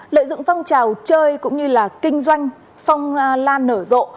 lợi dụng phong trào chơi cũng như là kinh doanh phong lan nở rộ